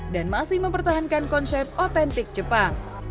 dan masih mempertahankan konsep otentik jepang